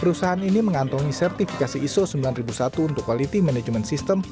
perusahaan ini mengantongi sertifikasi iso sembilan ribu satu untuk quality management system